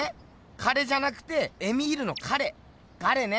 彼じゃなくてエミールの彼ガレね。